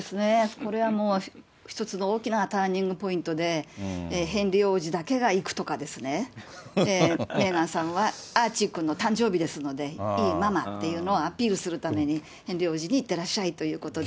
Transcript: これはもう、一つの大きなターニングポイントで、ヘンリー王子だけが行くとか、メーガンさんはアーチーくんの誕生日ですので、いいママっていうのをアピールするために、ヘンリー王子にいってらっしゃいということで。